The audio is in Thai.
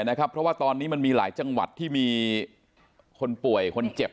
เพราะว่าตอนนี้มันมีหลายจังหวัดที่มีคนป่วยคนเจ็บ